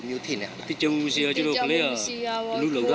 มันไม่ใช่แหละมันไม่ใช่แหละ